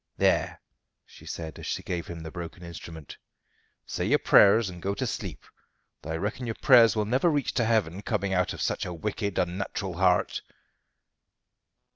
There," she said as she gave him the broken instrument. "Say your prayers and go to sleep; though I reckon your prayers will never reach to heaven, coming out of such a wicked unnatural heart."